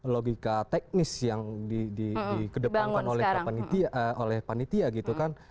logika teknis yang di kedepankan oleh panitia gitu kan